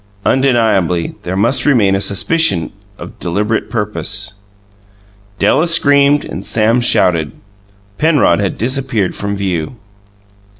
Undeniably there must remain a suspicion of deliberate purpose. Della screamed and Sam shouted. Penrod had disappeared from view.